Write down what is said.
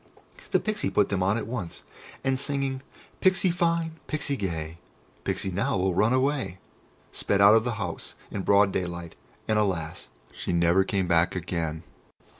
The Pixy put them on at once, and singing "Pixy fine, Pixy gay, Pixy now will run away!" sped out of the house in broad daylight, and, alas! she never came back again."